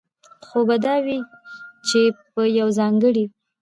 خو به دا وي، چې په يوه ځانګړي